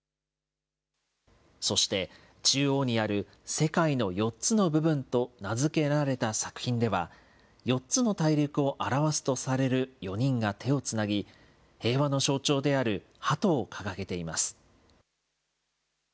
そして、中央にある世界の４つの部分と名付けられた作品では、４つの大陸を表すとされる４人が手をつなぎ、平和の象徴であるハトを掲げています。